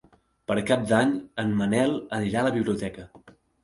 Per Cap d'Any en Manel irà a la biblioteca.